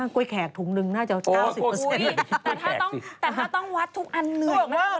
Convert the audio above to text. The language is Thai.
กล้วยแขกถุงหนึ่งน่าจะ๙๐อุ๊ยแต่ถ้าต้องวัดทุกอันเหนื่อยมาก